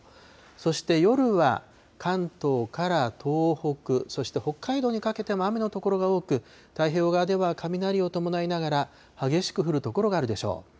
そして、夜は関東から東北、そして北海道にかけても雨の所が多く、太平洋側では雷を伴いながら、激しく降る所があるでしょう。